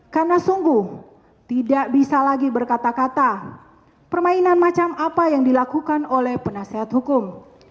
karena sungguh tidak bisa lagi berkata kata permainan macam apa yang dilakukan oleh penasihat hukum